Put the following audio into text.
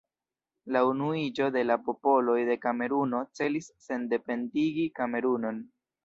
La Unuiĝo de la Popoloj de Kameruno celis sendependigi Kamerunon.